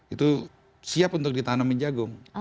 itu siap untuk ditanamin jagung